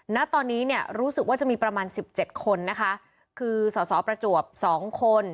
ณตอนนี้เนี่ยรู้สึกว่าจะมีประมาณสิบเจ็ดคนนะคะคือสอสอประจวบ๒คน